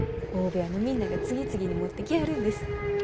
大部屋のみんなが次々に持ってきはるんです。